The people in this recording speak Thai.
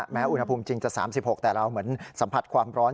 อุณหภูมิจริงจะ๓๖แต่เราเหมือนสัมผัสความร้อน